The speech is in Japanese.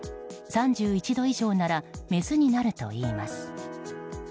３１度以上ならメスになるといいます。